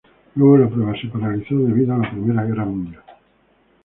Luego la prueba se paralizó debido a la Primera Guerra Mundial.